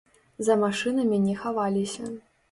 За машынамі не хаваліся.